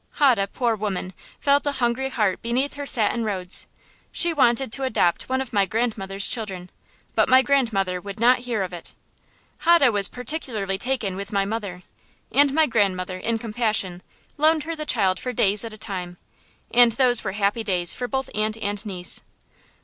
Hode, poor woman, felt a hungry heart beneath her satin robes. She wanted to adopt one of my grandmother's children, but my grandmother would not hear of it. Hode was particularly taken with my mother, and my grandmother, in compassion, loaned her the child for days at a time; and those were happy days for both aunt and niece.